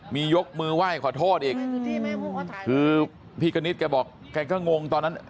มียกมือไหว้ขอโทษอีกคือพี่กณิตแกบอกแกก็งงตอนนั้น